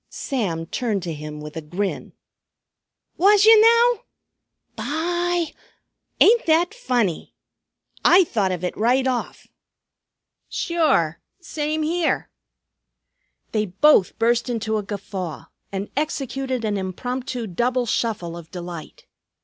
Sam turned to him with a grin. "Was yer now? By ! Ain't that funny? I thought of it right off." "Sure. Same here!" They both burst into a guffaw and executed an impromptu double shuffle of delight.